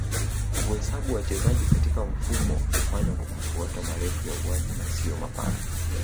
kuhesabu wachezaji katika mfumo hufanywa kwa kufuata marefu ya uwanja na sio mapana